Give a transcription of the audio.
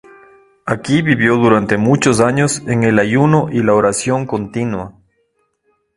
Aquí vivió durante muchos años en el ayuno y la oración continua.